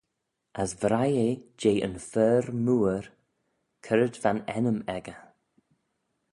As vrie eh jeh yn fer mooar cre'd va'n ennym echey.